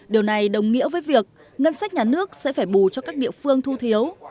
điều này đồng nghĩa với việc ngân sách nhà nước sẽ phải bù cho các địa phương thu thiếu